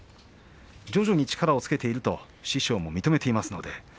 徐々に力をつけていると師匠も認めています。